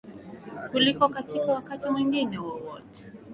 Kuliko katika wakati mwingine wowote